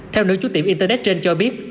theo nữ chú tiệm internet trên cho biết